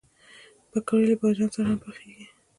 پکورې له بادنجان سره هم پخېږي